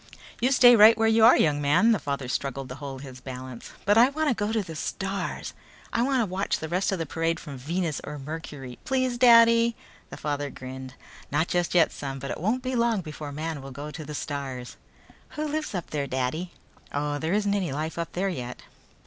"You stay right where you are, young man," the father struggled to hold his balance. "But I wanna go to the stars. I can watch the rest of the parade from Venus or Mercury! Please, Daddy!" The father grinned. "Not just yet, son, but it won't be long before man will go to the stars." "Who lives up there, Daddy?" "Oh, there isn't any life up there yet."